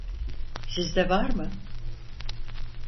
Sizde var mı?